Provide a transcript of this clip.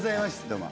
どうも。